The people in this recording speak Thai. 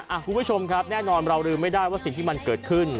คุณผู้ชมครับแน่นอนเราลืมไม่ได้ว่าสิ่งที่มันเกิดขึ้น